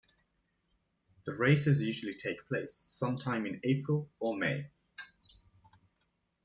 The races usually take place sometime in April or May.